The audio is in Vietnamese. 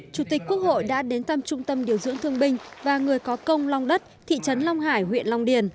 chủ tịch quốc hội đã đến thăm trung tâm điều dưỡng thương binh và người có công long đất thị trấn long hải huyện long điền